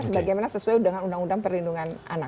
sebagaimana sesuai dengan undang undang perlindungan anak